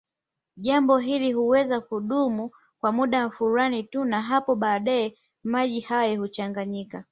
Jambo hili huweza kudumu kwa muda fulani tu na hapo baadaye maji hayo huchanganyika